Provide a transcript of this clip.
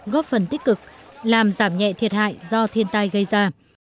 góp phần tích cực làm giảm nhẹ thiệt hại do thiên tai gây ra